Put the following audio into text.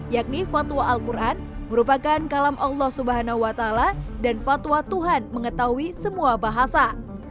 yakni fatwa alquran merupakan kalam allah subhanahu wa taala dan fatwa tuhan mengetahui semua bahasa